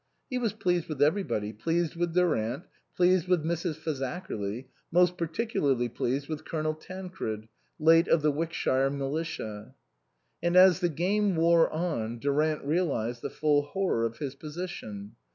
He was pleased with everybody, pleased with Durant, pleased with Mrs. Fazakerly, most par ticularly pleased with Colonel Tancred, late of the Wickshire militia. And as the game wore on, Durant realized the full horror of his position.